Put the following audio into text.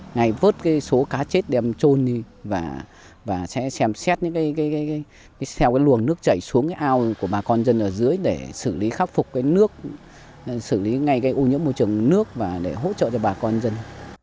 ngày vớt số cá chết đem trôn đi và sẽ xem xét theo luồng nước chảy xuống ao của bà con dân ở dưới để xử lý khắc phục nước xử lý ngay ô nhiễm môi trường nước và để hỗ trợ cho bà con dân